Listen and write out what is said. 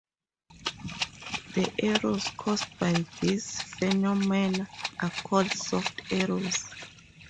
The errors caused by these phenomena are called soft errors.